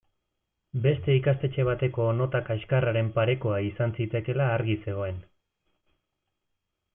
Beste ikastetxe bateko nota kaxkarraren parekoa izan zitekeela argi zegoen.